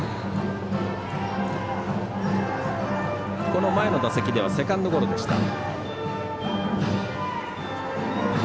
この前の打席ではセカンドゴロでした。